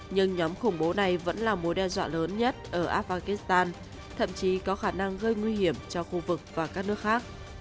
nhưng nhóm khủng bố này vẫn là mối đe dọa lớn nhất ở afghanistan thậm chí có khả năng gây nguy hiểm cho khu vực và các nước khác